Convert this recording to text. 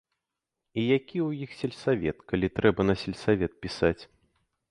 І які ў іх сельсавет, калі трэба на сельсавет пісаць.